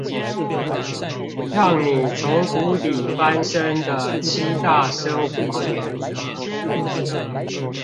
讓你從谷底翻身的七大生活原則